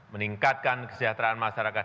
meningkatkan kesejahteraan masyarakat